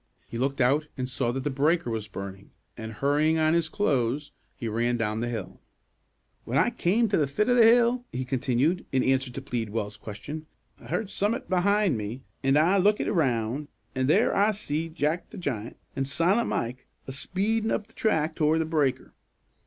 He looked out and saw that the breaker was burning, and, hurrying on his clothes, he ran down the hill. "When I cam' to the fit o' the hill," he continued, in answer to Pleadwell's question, "I heard some'at behin' me, an' I lookit aroun', an' there I see Jack the Giant an' Silent Mike a speedin' up the track toward the breaker.